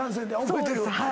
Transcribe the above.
覚えてる。